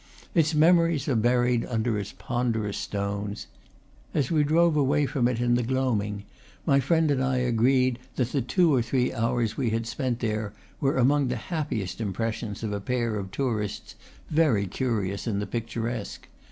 Its memories are buried under its ponderous stones. As we drove away from it in the gloaming, my friend and I agreed that the two or three hours we had spent there were among the happiest impressions of a pair of tourists very curious in the picturesque.